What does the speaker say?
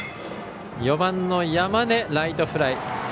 ４番の山根、ライトフライ。